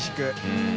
うん。